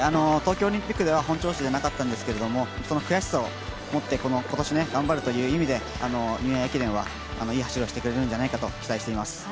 東京オリンピックでは本調子じゃなかったんですけれども、その悔しさをもって今年頑張るという意味でニューイヤー駅伝はいい走りをしてくれるんじゃないかと期待しています。